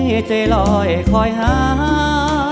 ไม่มีเวลาไปหาเมียน้อยปากนี้คงคอยเหงาไหวใจร้อยคอยหา